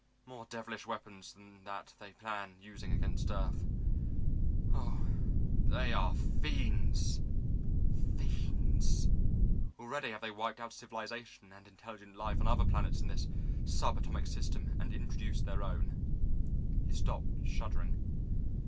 More devilish weapons than that they plan using against earth. Oh, they are fiends, fiends! Already have they wiped out civilization and intelligent life on other planets in this sub atomic system and introduced their own." He stopped, shuddering.